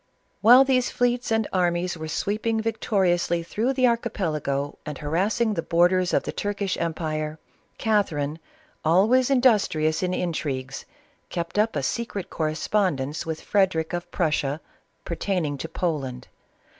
While these fleets and armies were sweeping victo riously through the Archipelago, and harassing the borders of the Turkish empire, Catherine, always in dustrious in intrigues^ept up a secret correspondence with Frederic of Prussia, pertaining to Poland.